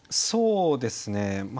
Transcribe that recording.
そうですね。